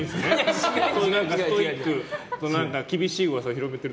ストイック、厳しい噂を広めてる。